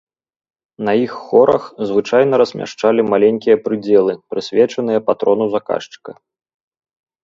На іх хорах звычайна размяшчалі маленькія прыдзелы, прысвечаныя патрону заказчыка.